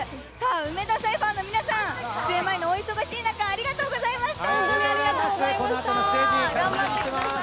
梅田サイファーの皆さん、出演前のお忙しい中ありがとうございました。